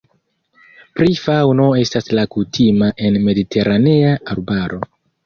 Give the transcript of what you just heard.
Pri faŭno estas la kutima en mediteranea arbaro.